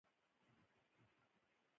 کله کله خپل وطن ته حيرانېږم.